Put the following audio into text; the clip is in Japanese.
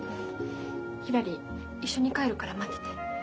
ひらり一緒に帰るから待ってて。